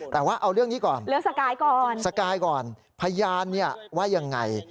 แต่ว่าเอาเรื่องนี้ก่อนสกายก่อนพยานเนี่ยว่ายังไง